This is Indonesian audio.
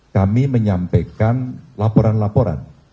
kami menyampaikan laporan laporan